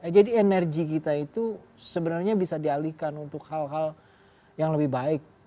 energi kita itu sebenarnya bisa dialihkan untuk hal hal yang lebih baik